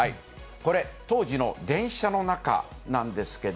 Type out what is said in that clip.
これ、当時の電車の中なんですけど。